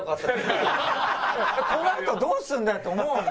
このあとどうするんだよって思うもん。